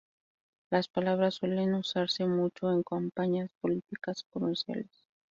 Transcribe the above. Las palabras suelen usarse mucho en campañas políticas y comerciales.